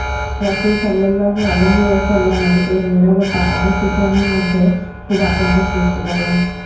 রাসূল সাল্লাল্লাহু আলাইহি ওয়াসাল্লাম-এর এ নীরবতা আবু সুফিয়ানের মধ্যে খুব আতঙ্ক সৃষ্টি করে।